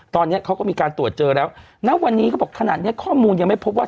ตอนนี้เขาก็มีการตรวจเจอแล้วณวันนี้เขาบอกขนาดเนี้ยข้อมูลยังไม่พบว่า